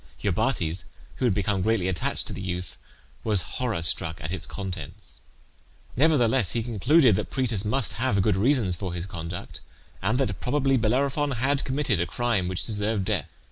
Iobates, who had become greatly attached to the youth, was horror struck at its contents. Nevertheless he concluded that Proetus must have good reasons for his conduct, and that probably Bellerophon had committed a crime which deserved death.